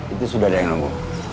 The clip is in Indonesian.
itu sudah ada yang ngomong